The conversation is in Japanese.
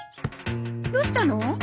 どうしたの？